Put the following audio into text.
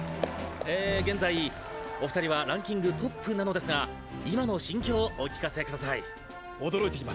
えー現在お２人はランキングトップなのですが今の心境をお聞かせください。